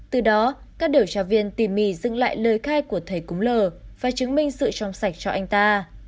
từ đó các điều tra viên tìm mì dựng lại lời khai của thầy cúng lờ và chứng minh sự trong sạch cho anh ta